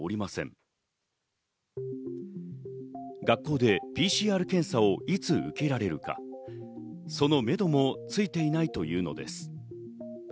学校でＰＣＲ検査をいつ受けられるか、そのめどもついていないというのです。